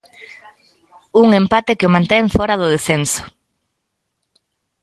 Un empate que o mantén fóra do descenso.